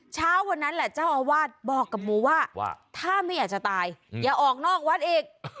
เช้าวันนั้นแหละเจ้าอาวาสบอกกับหมูว่าถ้าไม่อยากจะตายอย่าออกนอกวัดอีก